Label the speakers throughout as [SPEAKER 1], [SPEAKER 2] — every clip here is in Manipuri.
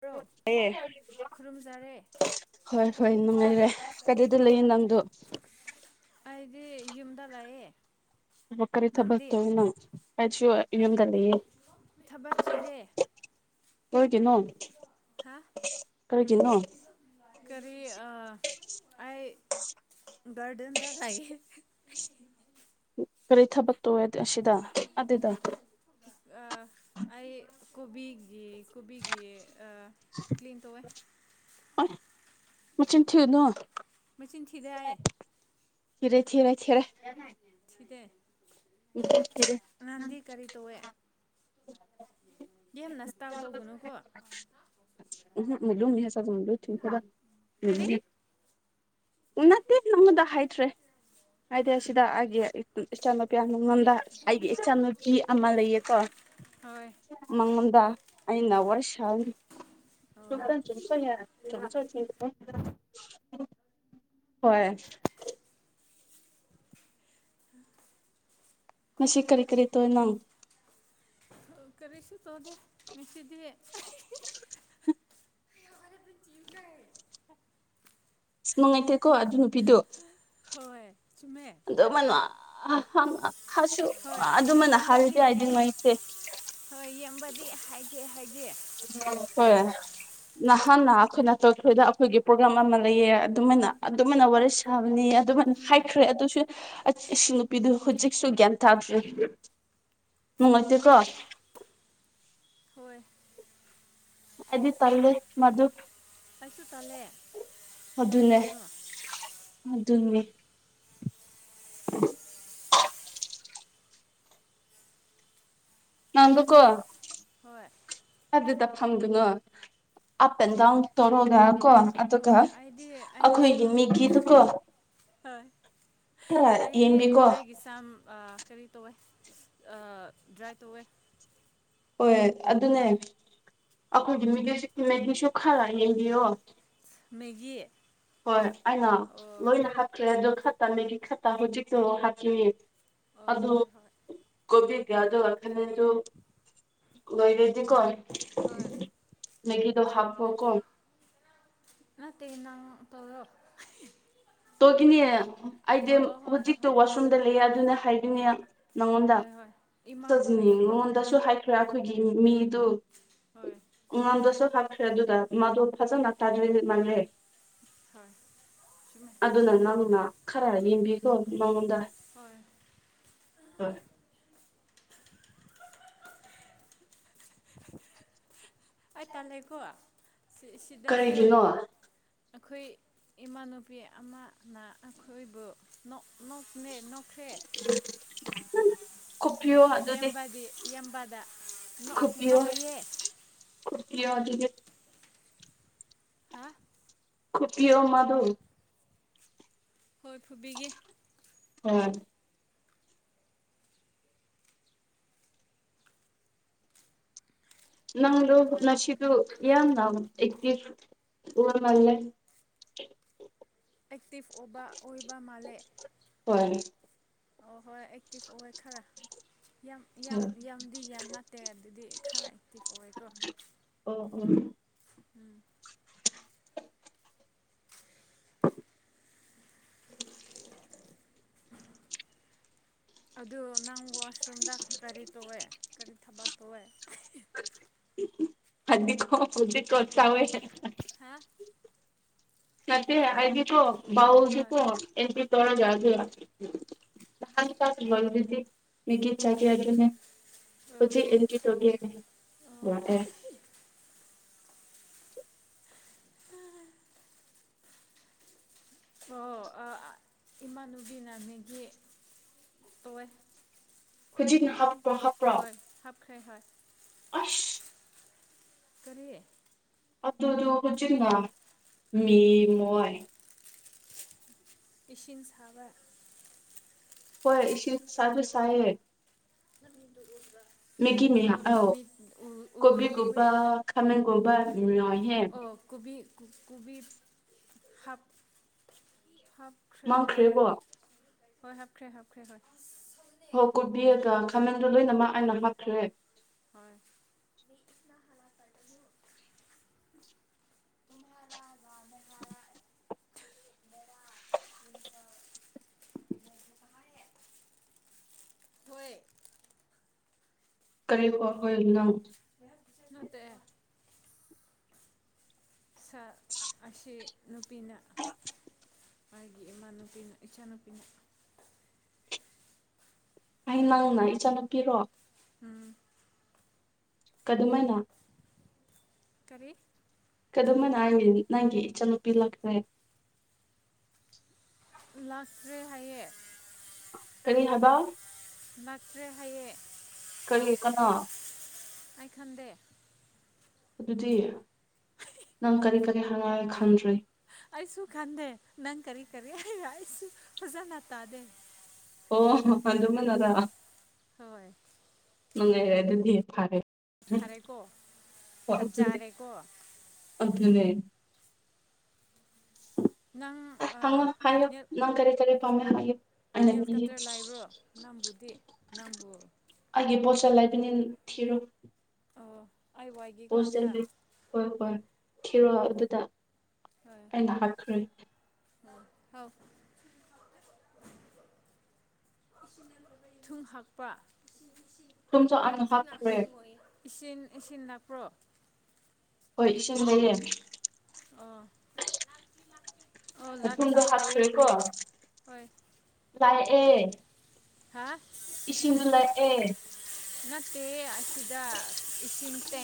[SPEAKER 1] ꯕ꯭ꯔꯣ
[SPEAKER 2] ꯇꯥꯌꯦ
[SPEAKER 1] ꯈꯨꯔꯨꯝꯖꯔꯦ
[SPEAKER 2] ꯍꯣꯏ ꯍꯣꯏ ꯅꯨꯡꯉꯥꯏꯔꯦ ꯀꯗꯏꯗ ꯂꯩꯌꯦ ꯅꯪꯗꯣ
[SPEAKER 1] ꯑꯗꯨꯗꯤ ꯌꯨꯝꯗ ꯂꯩꯌꯦ
[SPEAKER 2] ꯀꯔꯤ ꯊꯕꯛ
[SPEAKER 1] ꯅꯪꯗꯤ
[SPEAKER 2] ꯇꯧꯏꯅꯣ ꯑꯩꯁꯨ ꯌꯨꯝꯗ ꯂꯩꯌꯦ꯫
[SPEAKER 1] ꯊꯕꯛ ꯆꯤꯜꯂꯦ
[SPEAKER 2] ꯄꯣꯏ
[SPEAKER 1] ꯍꯥ
[SPEAKER 2] ꯀꯔꯤꯒꯤꯅꯣ
[SPEAKER 1] ꯀꯔꯤ ꯑ ꯑꯩ ꯒꯥꯔꯗꯦꯟꯗ ꯂꯩ ꯍꯤ ꯍꯤ
[SPEAKER 2] ꯀꯔꯤ ꯊꯕꯛ ꯇꯧꯋꯦ ꯗꯨꯏꯑꯁ ꯗ ꯑꯗꯨꯗ
[SPEAKER 1] ꯑꯥ ꯑꯩ ꯀꯨꯕꯤꯒꯤ ꯀꯨꯕꯤꯒꯤ ꯑꯥ ꯀ꯭ꯂꯤꯟ ꯇꯧꯋꯦ
[SPEAKER 2] ꯑꯣꯏ ꯃꯆꯤꯟ ꯊꯤꯎꯅꯣ
[SPEAKER 1] ꯃꯆꯤꯟ ꯊꯤꯗꯦ ꯍꯥꯌꯦ
[SPEAKER 2] ꯊꯤꯔꯦ ꯊꯤꯔꯦ ꯊꯤꯔꯦ
[SPEAKER 1] ꯇꯦ
[SPEAKER 2] ꯏ
[SPEAKER 1] ꯇꯧꯋꯦ
[SPEAKER 2] [inaudible]
[SPEAKER 1] ꯌꯥꯝꯅ ꯏꯁꯇꯥꯜ ꯇꯧꯒꯅꯨꯀꯣ꯫
[SPEAKER 2] ꯎ ꯃꯂꯨ ꯃꯤ ꯁ ꯃꯂꯨ
[SPEAKER 1] ꯀꯔꯤ
[SPEAKER 2] [unintelligible] ꯅꯠꯇꯦ ꯅꯪꯉꯣꯟꯗ ꯍꯥꯏꯇ꯭ꯔꯦ ꯍꯥꯏꯗꯦ ꯑꯁ ꯁꯤꯗ ꯑꯩꯒꯤ ꯏ ꯇꯨꯝ ꯏꯆꯥꯅꯨ ꯀꯌ꯭ꯅꯨꯉꯣꯟꯗ ꯑꯩꯒꯤ ꯏꯆꯥ ꯅꯨꯨꯄꯤ ꯑꯃ ꯂꯩꯌꯦꯀꯣ
[SPEAKER 1] ꯍꯣꯏ
[SPEAKER 2] ꯃꯉꯣꯟꯗ ꯑꯩꯅ ꯋꯥꯔꯤꯁ ꯅꯪꯒꯤ
[SPEAKER 1] ꯑꯣ
[SPEAKER 2] ꯄ ꯆꯨꯞꯄ ꯌꯥ [inaudible] ꯍꯣꯏ ꯉꯁꯤ ꯀꯔꯤ ꯀꯔꯤ ꯇꯧ ꯅꯪ
[SPEAKER 1] ꯍ ꯀꯔꯤꯁꯨ ꯇꯣꯗꯦ ꯉꯁꯤ ꯆꯤꯑ ꯑꯍꯤꯍꯤ ꯌꯥꯔ ꯄ ꯆꯤꯗꯑꯦ [inaudible]
[SPEAKER 2] ꯁ ꯅꯨꯡꯉꯥꯏꯇꯦꯀꯣ ꯑꯗꯨ ꯅꯨꯄꯤꯗꯨ
[SPEAKER 1] ꯍꯣꯏ ꯆꯨꯝꯃꯦ
[SPEAKER 2] ꯗꯨꯃꯥꯏꯅ ꯑꯍꯥꯡꯑꯥ
[SPEAKER 1] ꯍꯣꯏ ꯌꯦꯡꯕꯗꯤ
[SPEAKER 2] ꯅꯨꯡꯉꯥꯏꯇꯦ
[SPEAKER 1] ꯍꯣꯏ ꯌꯦꯡꯕꯗꯤ ꯍꯥꯏꯒꯦ ꯍꯥꯏ꯫
[SPEAKER 2] ꯍꯣꯏ ꯅꯍꯥꯟ ꯑꯈꯣꯏꯅ ꯈꯣꯏꯗ ꯑꯩꯈꯣꯏꯒꯤ ꯄ꯭ꯔꯣꯒ꯭ꯔꯥꯝ ꯑꯃ ꯂꯩꯌꯦ ꯑꯗꯨꯃꯥꯏꯅ ꯑꯗꯨꯃꯥꯏꯅ ꯋꯥꯔꯤ ꯁꯥ ꯃꯅꯤ ꯑꯗꯨꯃꯥꯏꯅ
[SPEAKER 1] ꯆꯨꯝꯃꯦ
[SPEAKER 2] ꯍꯥꯏꯈ꯭ꯔꯦ ꯑꯗꯨꯁꯨ ꯑꯥ ꯏꯁꯤꯡ ꯅꯨꯄꯤꯗꯨ ꯍꯧꯖꯤꯛꯁꯨ ꯒ꯭ꯌꯥꯟ ꯇꯥꯗ꯭꯭ꯔꯔꯤ ꯅꯨꯡꯉꯥꯏꯇꯦꯀ꯭ꯔꯣ
[SPEAKER 1] ꯍꯣꯏ
[SPEAKER 2] ꯑꯗꯤ ꯇꯂꯦ ꯃꯗꯨ
[SPEAKER 1] ꯀꯁꯨ ꯇꯂꯦ
[SPEAKER 2] ꯑꯗꯨꯅꯦ
[SPEAKER 1] ꯍꯥꯏꯕꯅꯣ ꯎꯝ
[SPEAKER 2] ꯎꯝ ꯅꯗꯨꯀꯣ
[SPEAKER 1] ꯍꯣꯏ
[SPEAKER 2] ꯑꯗꯨꯗ ꯇꯞ ꯐꯪꯗꯨꯉ ꯑꯞ ꯑꯦꯟ
[SPEAKER 1] ꯀꯔꯤ
[SPEAKER 2] ꯗꯥꯎꯟ ꯇꯧꯔꯒ ꯀꯣ ꯑꯗꯨꯒ
[SPEAKER 1] ꯍꯣꯏ ꯑꯩꯗꯤ ꯑꯩꯒꯤ
[SPEAKER 2] ꯑꯩꯈꯣꯏꯒꯤ
[SPEAKER 1] ꯁꯝ
[SPEAKER 2] ꯃꯤꯒꯤꯗꯨꯀꯣ
[SPEAKER 1] ꯍꯣꯏ
[SPEAKER 2] ꯈꯔ
[SPEAKER 1] ꯑꯩꯒꯤ
[SPEAKER 2] ꯌꯦꯡꯕꯤꯀꯣ
[SPEAKER 1] ꯑꯩꯒꯤ ꯁꯝ ꯀꯔꯤ ꯇꯧꯋꯦ ꯗ꯭ꯔꯥꯏ ꯇꯧꯋꯦ
[SPEAKER 2] ꯍꯣꯏ ꯑꯗꯨꯅꯦ ꯑꯩꯈꯣꯏꯒꯤꯗꯤꯗꯤꯁꯨ ꯈꯔ ꯌꯦꯡꯕꯤꯌꯣ
[SPEAKER 1] ꯃꯒꯤ
[SPEAKER 2] ꯍꯣꯏ ꯑꯩꯅ ꯂꯣꯏꯅ ꯍꯥꯈ꯭ꯔꯦ ꯑ ꯇꯃꯦꯒꯤ ꯈꯠꯇ ꯍꯖꯤ ꯍꯥꯀꯤ
[SPEAKER 1] ꯑꯣ
[SPEAKER 2] ꯑꯗ
[SPEAKER 1] ꯍꯣꯏ ꯍꯣꯏ
[SPEAKER 2] ꯀꯣ ꯌꯥꯌꯥꯖ ꯑꯈꯅꯦ ꯆ ꯀꯩꯔꯦꯗꯤ ꯀꯣꯟ
[SPEAKER 1] ꯍ
[SPEAKER 2] ꯃꯦꯒꯤꯗꯣ ꯍꯥꯞꯄ ꯀꯣ
[SPEAKER 1] ꯑ ꯇꯟꯅ ꯇꯂꯣ
[SPEAKER 2] ꯇꯣꯒꯤꯅꯦ ꯑꯩꯗꯤ
[SPEAKER 1] ꯍꯣꯏ ꯍꯣꯏ
[SPEAKER 2] ꯍꯧꯖꯤꯛꯇꯣ
[SPEAKER 1] ꯍꯣꯏ
[SPEAKER 2] ꯋꯥꯁꯔꯨꯝꯗ ꯂꯩꯌꯦ ꯑꯗꯨꯅ ꯍꯥꯏ ꯏ ꯅꯉꯣꯟꯗ
[SPEAKER 1] ꯍꯣꯏ ꯍꯣꯏ ꯏꯃꯥꯕꯨ ꯍꯥꯏꯌꯣꯀꯣ
[SPEAKER 2] ꯅꯉꯣꯟꯗꯁꯨ ꯍꯥꯏꯈ꯭ꯔꯦ ꯑꯩꯈꯣꯏꯒꯤ ꯃꯤꯗꯨ
[SPEAKER 1] ꯍꯣꯏ
[SPEAKER 2] ꯎꯗꯁꯨꯣ ꯈꯕ ꯈ꯭ꯔꯦ ꯑꯗꯨꯗ ꯃꯗꯨ ꯐꯖꯅ ꯇꯥꯗ꯭ꯔꯤꯗꯤ ꯃꯜ꯭ꯔꯦ
[SPEAKER 1] ꯍ
[SPEAKER 2] ꯑꯗꯨꯅ ꯅꯪꯅ ꯈꯔ ꯅꯦꯝꯕꯤ ꯍꯣꯏ ꯃꯉꯣꯟꯗ
[SPEAKER 1] ꯍꯣꯏ
[SPEAKER 2] ꯍꯣꯏ
[SPEAKER 1] ꯑꯩ ꯇ ꯂꯩꯀꯣ ꯁꯤꯗꯁꯨ
[SPEAKER 2] ꯀꯔꯤꯒꯤꯅꯣ
[SPEAKER 1] ꯑꯩꯈꯣꯏ ꯏꯃꯥꯟꯅꯨꯄꯤ ꯑꯃꯅ ꯑꯩꯈꯣꯏꯕꯨ ꯅꯣꯛ ꯅꯣꯛꯅꯦ ꯅꯣꯛ ꯊꯦ
[SPEAKER 2] ꯀꯣꯛꯄꯤꯌꯣ ꯑꯗꯨꯗꯤ
[SPEAKER 1] ꯌꯦꯡꯕꯗꯤ ꯌꯦꯡꯕꯗꯣꯛ ꯅꯣꯛꯑꯦ
[SPEAKER 2] ꯀ ꯌꯥꯒ
[SPEAKER 1] ꯍꯥ
[SPEAKER 2] ꯈꯨꯠꯀꯤ ꯑꯣ ꯃꯥꯗꯣ
[SPEAKER 1] ꯍꯣꯏ ꯐꯨꯕꯤꯒꯦ
[SPEAKER 2] ꯑ ꯅꯪꯗꯣ ꯅꯁꯤꯗꯨ ꯌꯥꯝꯅ ꯑꯦꯛꯇꯤꯚ ꯑꯣꯏꯃꯜꯂꯦ
[SPEAKER 1] ꯑꯦꯛꯇꯤꯞ ꯑꯣꯏꯕ ꯑꯣꯏꯕ ꯃꯥꯜꯂꯦ
[SPEAKER 2] ꯍꯣꯏ
[SPEAKER 1] ꯑꯣ ꯍꯣꯏ ꯑꯦꯛꯇꯤꯚ ꯑꯣꯏ ꯈꯔ ꯌꯥꯝ ꯌꯥꯝ ꯌꯥꯝꯗꯤ ꯌꯥꯝ ꯅꯠꯇꯦ ꯑꯗꯨꯗꯤ ꯈꯔ ꯑꯦꯛꯇꯤꯚ ꯑꯣꯏꯀꯣ
[SPEAKER 2] [inaudible]
[SPEAKER 1] ꯎꯝ ꯑꯗꯨ ꯅꯪ ꯋꯥꯁꯔꯨꯝꯗ ꯀꯔꯤ ꯇꯧꯑꯦ ꯀꯔꯤ ꯊꯕꯛ ꯇꯧꯑꯦ?
[SPEAKER 2] ꯐꯗꯤꯀꯣ ꯍꯧꯖꯤꯛꯀꯣ ꯇꯧꯋꯦ [unintelligible]
[SPEAKER 1] ꯍꯥ
[SPEAKER 2] ꯅꯠꯇꯦ ꯍꯥꯏꯗꯤꯀꯣ
[SPEAKER 1] ꯍꯣꯏ
[SPEAKER 2] ꯕꯥꯎꯗꯤꯀꯣ ꯑꯦꯀꯇꯤꯞ [unintelligible] ꯍꯧꯖꯤꯛ ꯏꯟꯒꯤ ꯇꯧꯔꯤꯌꯦ ꯎꯝ
[SPEAKER 1] ꯑꯣ
[SPEAKER 2] ꯌꯥꯗꯦ [inaudible]
[SPEAKER 1] ꯑꯣ ꯏꯃꯥꯟꯅꯨꯕꯤꯅꯅꯦꯒꯤ ꯇꯣꯏ
[SPEAKER 2] ꯍꯨꯖꯤꯛ ꯍꯥꯞꯄ꯭ꯔꯣ ꯍꯥꯞꯄ꯭ꯔꯣ
[SPEAKER 1] ꯈ꯭ꯔꯦ ꯍꯣꯏ
[SPEAKER 2] ꯑꯁ
[SPEAKER 1] ꯀꯔꯤ
[SPEAKER 2] ꯑꯗꯨꯗꯣ ꯍꯨꯖꯤꯛ ꯂꯥꯛꯃꯤ ꯉꯣꯏ
[SPEAKER 1] ꯏꯁꯤꯡ ꯁꯥꯕ
[SPEAKER 2] ꯍꯣꯏ ꯏꯁꯤꯡ ꯁꯥꯕꯤ ꯁꯥꯏꯌꯦ ꯃꯦꯒꯤ ꯃꯤ
[SPEAKER 1] ꯍꯣꯏ
[SPEAKER 2] ꯑꯧ
[SPEAKER 1] ꯃꯃꯤꯠ ꯎꯈꯔ꯭ꯦ
[SPEAKER 2] ꯀꯣꯕꯤꯒꯨꯝꯕ
[SPEAKER 1] ꯎꯔꯦ
[SPEAKER 2] ꯈꯥꯃꯦꯟꯒꯨꯝꯕ ꯌꯥꯏꯍꯦ
[SPEAKER 1] ꯑꯣ ꯀꯣꯕꯤ ꯀꯣꯕꯤ ꯍꯥꯞ ꯍꯥꯞ
[SPEAKER 2] ꯃꯥꯡꯈ꯭ꯔꯦꯀꯣ
[SPEAKER 1] ꯍꯣꯏ ꯍꯥꯞꯈ꯭ꯔꯦ ꯍꯥꯞꯈ꯭ꯔꯦ ꯍꯣꯏ
[SPEAKER 2] ꯍꯣ ꯀꯣꯕꯤ ꯀꯥ ꯈꯥꯃꯦꯟꯗꯣ ꯂꯣꯏꯅꯃꯛ ꯑꯩꯅ ꯃꯠꯈ꯭ꯔꯦ
[SPEAKER 1] ꯍꯣꯏ ꯍꯣꯏ
[SPEAKER 2] ꯀꯔꯤ ꯄꯥꯐꯣꯏꯅꯣ
[SPEAKER 1] ꯅꯠꯇꯦ ꯁꯥ ꯑꯁꯤ ꯅꯨꯄꯤꯅ ꯃꯥꯒꯤ ꯏꯃꯥꯟꯅꯨꯄꯤꯅ ꯏꯆꯥꯅꯨꯄꯤꯅ
[SPEAKER 2] ꯑꯩ ꯅꯪꯅ ꯏꯆꯥꯅꯨꯄꯤꯔꯣ
[SPEAKER 1] ꯎꯝ
[SPEAKER 2] ꯀꯥꯗꯨꯃꯥꯏꯅ
[SPEAKER 1] ꯀꯔꯤ
[SPEAKER 2] ꯀꯗꯨꯃ ꯅꯥꯍꯟꯒꯤ ꯅꯪꯒꯤ ꯏꯆꯟ ꯅꯨꯨꯄꯤ ꯂꯥꯛ꯭ꯈꯔꯦ
[SPEAKER 1] ꯂꯥꯛꯇ꯭ꯔꯦ ꯍꯥꯏꯌꯦ
[SPEAKER 2] ꯀꯔꯤ ꯍꯥꯏꯕ
[SPEAKER 1] ꯅꯠꯇ꯭ꯔꯦ ꯍꯥꯏꯌꯦ
[SPEAKER 2] ꯀꯔꯤ ꯀꯅꯥ
[SPEAKER 1] ꯑꯩꯈꯟꯗꯦ
[SPEAKER 2] ꯑꯗꯨꯗꯤ ꯅꯪ ꯀꯔꯤ ꯀꯔꯤ ꯍꯥꯏꯉꯥꯏ ꯈꯪꯗ꯭ꯔꯦ
[SPEAKER 1] ꯑꯩꯁꯨ ꯈꯟꯗꯦ ꯅꯪ ꯀꯔꯤ ꯀꯔꯤ ꯑꯩꯔ ꯑꯩꯁꯨ ꯐꯖꯅ ꯇꯥꯗꯦ
[SPEAKER 2] ꯑꯣ ꯍꯣ ꯃ ꯑꯗꯨꯃꯅꯗ
[SPEAKER 1] ꯍꯣꯏ
[SPEAKER 2] ꯅꯨꯡꯉꯥꯏꯔꯦ ꯑꯗꯨꯗꯤ ꯐꯥꯔꯦ
[SPEAKER 1] ꯐꯔꯦꯀꯣ ꯐꯖꯔꯦꯀꯣ
[SPEAKER 2] ꯃ ꯊꯅꯦ
[SPEAKER 1] ꯅꯪ
[SPEAKER 2] ꯊꯃ ꯐ
[SPEAKER 1] ꯅꯦꯜ
[SPEAKER 2] ꯅꯪ ꯀꯔꯤ ꯀꯔꯤ ꯃꯧ ꯅꯦ ꯍꯥꯏ ꯑꯅ
[SPEAKER 1] ꯅꯦꯜ
[SPEAKER 2] ꯃꯤ
[SPEAKER 1] ꯀꯇꯔ ꯂꯩꯕ꯭ꯔꯣ ꯅꯪꯕꯨꯗꯤ ꯅꯪꯕꯨ
[SPEAKER 2] ꯑꯒꯤꯦ ꯄꯣꯠꯆꯔ ꯂꯩ ꯊꯔꯣ
[SPEAKER 1] ꯑꯣ ꯑꯩ ꯋꯥꯏꯒꯦꯀꯣ
[SPEAKER 2] ꯄꯣꯁ
[SPEAKER 1] ꯑꯝꯇ
[SPEAKER 2] ꯍꯣꯏ ꯍꯣꯏ ꯍꯔꯣ ꯑꯗꯨꯗ
[SPEAKER 1] ꯍꯣꯏ
[SPEAKER 2] ꯑꯩꯅ ꯍꯥꯏꯥꯛꯈ꯭ꯔꯦ
[SPEAKER 1] ꯍꯥꯎ ꯊꯨꯝ ꯍꯥꯥꯛꯄ
[SPEAKER 2] ꯊꯨꯝꯁꯨ ꯑꯉ ꯍꯥ ꯔꯦ
[SPEAKER 1] ꯏꯁꯤꯡ ꯏꯁꯤ ꯅꯛꯈ꯭ꯔꯣ
[SPEAKER 2] ꯍꯣꯏ ꯏ ꯂꯩꯌꯦ
[SPEAKER 1] ꯑ
[SPEAKER 2] ꯊꯨꯡꯗ ꯍꯥꯞꯁꯨꯦ ꯀꯣ
[SPEAKER 1] ꯍꯣꯏ
[SPEAKER 2] ꯂ ꯑꯦ
[SPEAKER 1] ꯍꯥ
[SPEAKER 2] ꯏꯁꯤꯡꯗꯨꯂꯥꯏ ꯑꯦ
[SPEAKER 1] ꯀ ꯑꯁꯤꯗ ꯏꯁꯤꯡ ꯇ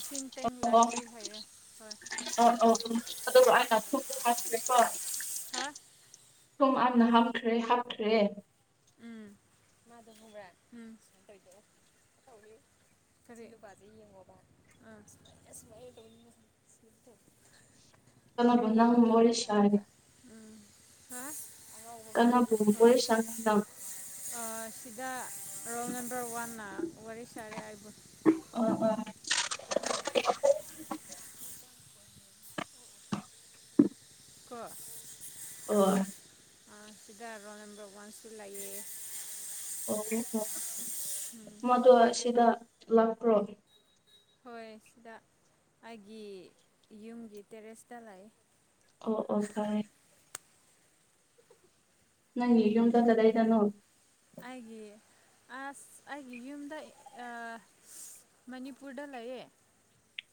[SPEAKER 1] ꯏꯁꯤꯡ ꯇꯦꯡ
[SPEAKER 2] ꯑꯣ
[SPEAKER 1] ꯂꯥꯛꯇ꯭ꯔꯤ ꯍꯥꯏꯌꯦ ꯍꯣꯏ
[SPEAKER 2] ꯑꯣ ꯑꯣ ꯑ ꯑ ꯑꯗꯨꯒ ꯑ ꯊ꯭ꯔꯦ ꯍꯣꯏ
[SPEAKER 1] ꯍꯥ
[SPEAKER 2] ꯁꯨꯝ ꯌꯥꯝꯅ ꯍꯥꯞꯈ꯭ꯔꯦ ꯍꯥꯞꯈ꯭ꯔꯦ
[SPEAKER 1] ꯎꯝ ꯃꯥꯗꯧ ꯉꯨꯕ꯭ꯔꯥ ꯎꯝ ꯁꯨꯃꯥꯏ ꯇꯧꯗ ꯇ ꯈꯖꯤꯩ ꯅꯨꯄꯥꯁꯦ ꯌꯦꯡꯉꯣꯕ ꯑꯥ ꯁꯨꯃꯥꯏꯅ ꯁꯨꯃꯥꯏꯅ ꯇꯧꯅꯤ
[SPEAKER 2] ꯃꯔꯁꯔ
[SPEAKER 1] ꯍꯥ
[SPEAKER 2] ꯀꯉꯕꯨ ꯑꯣꯏꯣꯏꯁꯪ
[SPEAKER 1] ꯑ ꯁꯤꯗꯥ ꯔꯣꯡ ꯇ ꯋꯥ ꯋꯥ ꯔꯤ ꯁꯥꯔꯦ ꯑꯕ
[SPEAKER 2] ꯂꯧꯁꯤꯟꯕ ꯉꯝꯗꯕ
[SPEAKER 1] ꯀꯣ
[SPEAKER 2] ꯑꯣ
[SPEAKER 1] ꯑꯥ ꯁꯤꯗ ꯔꯣꯜ ꯅꯝꯕꯔ ꯋꯥꯟꯁꯨ ꯂꯩꯌꯦ
[SPEAKER 2] ꯑꯣꯒꯦ ꯑꯣ ꯃꯗꯨ ꯑꯁꯤꯗ ꯂꯥꯛꯄ꯭ꯔꯣ
[SPEAKER 1] ꯍꯣꯏ ꯁꯤꯗ ꯑꯩꯒꯤ ꯌꯨꯝꯒꯤ ꯇꯦꯔꯦꯁꯇ ꯂꯩ
[SPEAKER 2] ꯑꯣ ꯑꯣ ꯚꯥꯏ ꯅꯪꯒꯤ ꯌꯨꯝꯗꯣ ꯀꯗꯥꯏꯗꯅꯣ
[SPEAKER 1] ꯑꯩꯒꯤ ꯑꯁ ꯑꯩꯒꯤ ꯌꯨꯝꯗ ꯑ ꯁꯁ ꯃꯅꯤꯄꯨꯔꯗ ꯂꯩꯌꯦ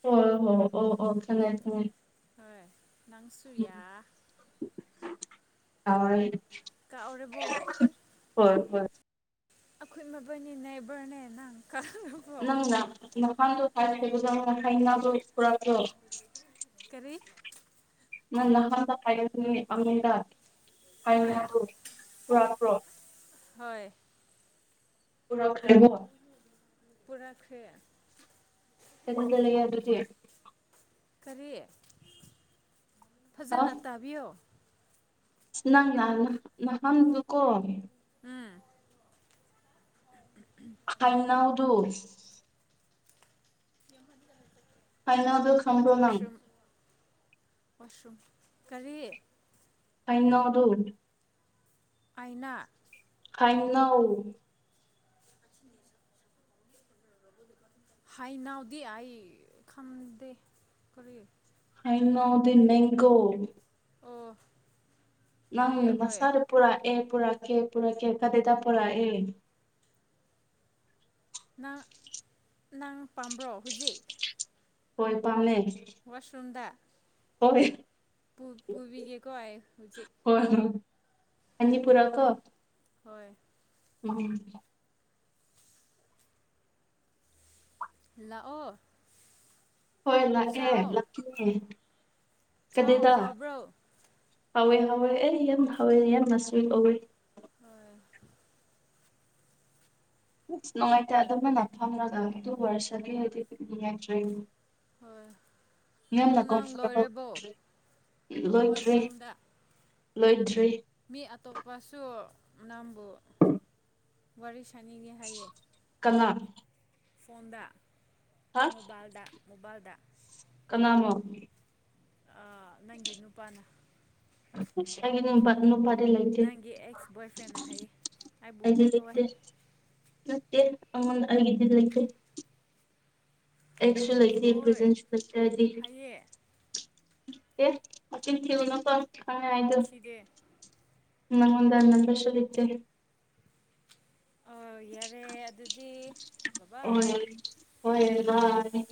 [SPEAKER 2] ꯍꯣꯏ ꯍꯣꯏ ꯑꯣ ꯑꯣ ꯈꯪꯉꯦ ꯈꯪꯉꯦ
[SPEAKER 1] ꯅꯪꯁꯨꯨꯏꯌꯥ
[SPEAKER 2] ꯀꯥꯍꯣꯏ
[SPEAKER 1] ꯀꯥꯎꯔꯕꯣ
[SPEAKER 2] ꯍꯣꯏ
[SPEAKER 1] ꯑꯈꯣꯏ ꯃꯕꯥꯅꯤ ꯅꯥꯏꯕꯔꯅꯦ ꯅꯪ ꯀꯥꯎꯔꯕꯣ
[SPEAKER 2] ꯅꯪꯅ ꯅꯨꯐꯥꯡꯗꯣ [unintelligible]
[SPEAKER 1] ꯀꯔꯤ
[SPEAKER 2] ꯅꯪ ꯅꯍꯥꯟꯗ ꯐꯥꯏꯒꯟꯕꯅꯤꯅꯦ ꯑꯝꯗ ꯍꯥꯏꯔꯥ
[SPEAKER 1] ꯍꯣꯏ
[SPEAKER 2] ꯊꯣ ꯄꯨꯔꯛ ꯄ꯭ꯔꯣ
[SPEAKER 1] ꯍꯣꯏ
[SPEAKER 2] ꯄꯨꯔꯛꯈ꯭ꯔꯦꯕꯣ
[SPEAKER 1] ꯄꯨꯔꯛꯈ꯭ꯔꯦ
[SPEAKER 2] ꯁꯦ ꯅꯪꯒꯤꯗ ꯂꯩꯌꯦ ꯑꯗꯨꯗꯤ
[SPEAKER 1] ꯀꯔꯤ ꯐꯖꯅ
[SPEAKER 2] ꯑꯁ
[SPEAKER 1] ꯇꯥꯕꯤꯌꯣ
[SPEAKER 2] ꯅꯪꯅ ꯅ ꯅꯍꯥꯟꯗꯣꯀꯣ
[SPEAKER 1] ꯎꯝ
[SPEAKER 2] ꯍꯥꯏꯅꯥꯎꯗꯨ
[SPEAKER 1] ꯌꯥꯝꯍꯟꯅꯤꯗ ꯂꯩꯕ
[SPEAKER 2] ꯍꯥꯏꯅꯥꯎꯗꯣ ꯈꯪꯕ꯭ꯔꯣ ꯅꯪ
[SPEAKER 1] ꯋꯥꯁ꯭ꯔꯨꯝ ꯀꯔꯤ
[SPEAKER 2] ꯍꯩꯅꯥꯎꯗꯨ
[SPEAKER 1] ꯑꯩꯅ
[SPEAKER 2] ꯈꯩꯅꯧ
[SPEAKER 1] [unintelligible] ꯍꯥꯏ ꯅꯥꯎꯗꯤ ꯑꯥꯏ ꯈꯝꯗꯦ ꯀꯔꯤ
[SPEAKER 2] ꯍꯩꯅꯥꯎꯗꯤ ꯃꯦꯡꯒꯣ
[SPEAKER 1] ꯑꯣ
[SPEAKER 2] ꯅꯪ
[SPEAKER 1] ꯀꯔꯤ ꯍꯣꯏ
[SPEAKER 2] ꯅꯁꯥꯗꯣ ꯄꯨꯔꯥ ꯑꯦ ꯄꯨꯔꯥꯛꯀꯦ ꯄꯨꯔꯛꯀꯦ ꯀꯗꯥꯏꯗ ꯄꯨꯔꯥꯛꯑꯦ
[SPEAKER 1] ꯅꯪ ꯅꯪ ꯄꯥꯝꯕ꯭ꯔꯣ ꯍꯧꯖꯤꯛ
[SPEAKER 2] ꯍꯣꯏ ꯄꯥꯝꯃꯦ
[SPEAKER 1] ꯋꯥꯁꯨꯝꯗ
[SPEAKER 2] ꯍꯣꯏ
[SPEAKER 1] ꯄꯨ ꯄꯨꯕꯤꯒꯦꯀꯣ ꯑꯩ ꯍꯨꯖꯤꯛ
[SPEAKER 2] ꯃꯅꯤꯄꯨꯔꯥ ꯀꯣ
[SPEAKER 1] ꯍꯣꯏ
[SPEAKER 2] ꯎꯝ
[SPEAKER 1] ꯂꯥꯛꯑꯣ
[SPEAKER 2] ꯍꯣꯏ ꯂꯥꯛꯑꯦ
[SPEAKER 1] ꯆꯥꯎ
[SPEAKER 2] ꯂꯥꯛꯀꯅꯦ
[SPEAKER 1] ꯆꯥꯎ
[SPEAKER 2] ꯀꯗꯩꯗ
[SPEAKER 1] ꯍꯥꯎꯕ꯭ꯔꯣ
[SPEAKER 2] ꯍꯥꯎꯋꯦ ꯍꯥꯎꯋꯦ ꯑꯩ ꯌꯥꯝ ꯍꯥꯎꯋꯦ ꯌꯥꯝꯅꯁꯨꯨꯋ ꯀꯧꯋꯦ
[SPEAKER 1] ꯑꯣꯏ
[SPEAKER 2] ꯑꯁ ꯅꯨꯡꯉꯥꯏꯇꯦ ꯑꯗꯨꯝꯕꯅ ꯐꯝꯉꯒ ꯑꯗꯨ ꯑꯣꯏꯔꯁꯒꯤꯗꯤ ꯄꯤꯛꯅꯤꯡꯅꯨꯡꯉꯥꯏꯇ꯭ꯔꯣꯏ
[SPEAKER 1] ꯍꯣꯏ ꯑꯗꯨ
[SPEAKER 2] ꯌꯥꯝꯅ
[SPEAKER 1] ꯅꯪ
[SPEAKER 2] ꯀꯝꯐꯣꯔꯇꯦꯕꯜ
[SPEAKER 1] ꯂꯣꯏꯔꯕꯣ
[SPEAKER 2] ꯑꯣꯏꯗ꯭ꯔꯦ ꯂꯣꯏꯗ꯭ꯔꯦ
[SPEAKER 1] ꯋꯥꯁꯔꯨꯝꯗ
[SPEAKER 2] ꯂꯣꯏꯗ꯭ꯔꯤ
[SPEAKER 1] ꯃꯤ ꯑꯇꯣꯞꯄꯁꯨ ꯅꯝꯕ ꯋꯥꯔꯤꯁ
[SPEAKER 2] ꯀꯅꯥ
[SPEAKER 1] ꯐꯣꯟꯗ ꯃꯣꯕꯥꯏꯜꯗ ꯃꯣꯕꯥꯜꯗ
[SPEAKER 2] ꯀꯅꯥꯃꯣ
[SPEAKER 1] ꯑ ꯅꯪꯒꯤ ꯅꯨꯄꯥꯅ
[SPEAKER 2] ꯑꯩꯒꯤ ꯅꯨꯄꯥꯄꯥ
[SPEAKER 1] ꯅꯪꯒꯤ ꯑꯦꯛꯁ ꯕꯣꯏ ꯐ꯭ꯔꯦꯟꯅ ꯍꯥꯏꯌꯦ ꯍꯑꯩꯕꯨ ꯀꯣꯜ ꯇꯧꯋꯥꯏ
[SPEAKER 2] ꯑꯦ ꯑꯩꯉꯣꯟ ꯑꯩꯒꯤꯗꯗ ꯂꯩꯇꯦ ꯑꯦꯛꯁꯨ ꯂꯩꯇꯦ
[SPEAKER 1] ꯍꯣꯏ
[SPEAKER 2] ꯄ꯭ꯔꯖꯦꯟꯁꯨ ꯂꯩꯇꯦ ꯍꯥꯏꯗꯤ
[SPEAKER 1] ꯍꯥꯏꯌꯦ
[SPEAKER 2] ꯑꯦ ꯃꯆꯤꯟ ꯊꯤꯎꯅꯀꯣ
[SPEAKER 1] ꯐꯤꯗꯦ
[SPEAKER 2] ꯅꯪꯉꯣꯟꯗ ꯅꯝꯕꯔꯁꯨ ꯂꯩꯠꯇꯦ
[SPEAKER 1] ꯑ ꯌꯥꯔꯦ ꯑꯗꯨꯗꯤ ꯕꯕꯥꯏ
[SPEAKER 2] ꯑ